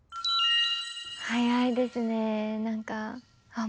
早いですね何かああ